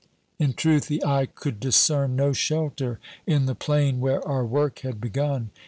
In truth the eye could discern no shelter in the plain where our work had begun.